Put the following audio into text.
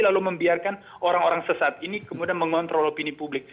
lalu membiarkan orang orang sesat ini kemudian mengontrol opini publik